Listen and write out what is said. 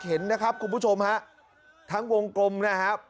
เห็นนะครับคุณผู้ชมฮะทั้งวงกลมนะครับ